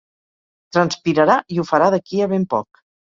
Transpirarà i ho farà d'aquí a ben poc.